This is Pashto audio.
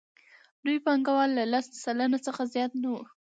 لوی پانګوال له لس سلنه څخه زیات نه وو